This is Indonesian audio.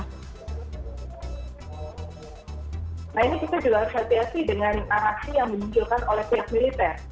nah ini kita juga harus hati hati dengan narasi yang dimunculkan oleh pihak militer